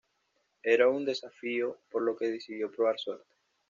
Era un desafío, por lo que decidió probar suerte.